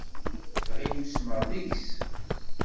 Tɣill usmeɣ deg-s.